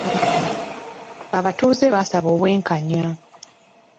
Abatuuze baasaba obwenkanya.